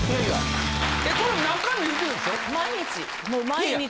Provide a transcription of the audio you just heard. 毎日。